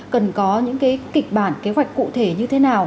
cần có những cái kịch bản kế hoạch cụ thể như thế nào